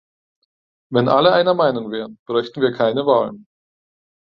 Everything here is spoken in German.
Wenn alle einer Meinung wären, bräuchten wir keine Wahlen.